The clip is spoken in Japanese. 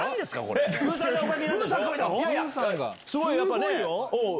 すごいよ！